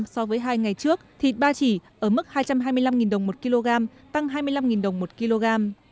so với hai ngày trước thịt ba chỉ ở mức hai trăm hai mươi năm đồng một kg tăng hai mươi năm đồng một kg